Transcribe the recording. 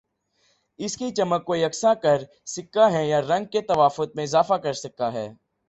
اس کی چمک کو یکساں کر سکہ ہیں یا رنگ کے تفاوت میں اضافہ کر سکہ ہیں